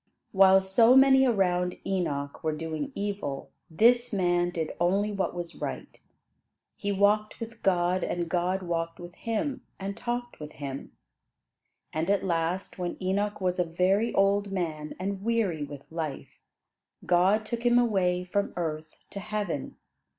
While so many around Enoch were doing evil, this man did only what was right. He walked with God and God walked with him, and talked with him. And at last, when Enoch was a very old man and weary with life, God took him away from earth to heaven.